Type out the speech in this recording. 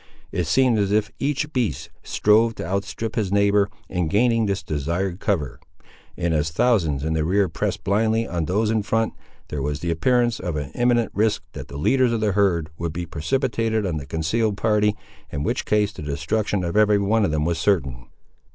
It seemed as if each beast strove to outstrip his neighbour, in gaining this desired cover; and as thousands in the rear pressed blindly on those in front, there was the appearance of an imminent risk that the leaders of the herd would be precipitated on the concealed party, in which case the destruction of every one of them was certain.